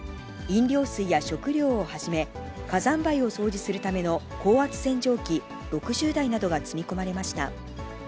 飲料水や食料をはじめ、火山灰を掃除するための高圧洗浄機６０台などが積み込まれました。